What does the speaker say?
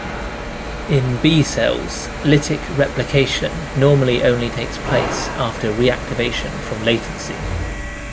In B cells, lytic replication normally only takes place after reactivation from latency.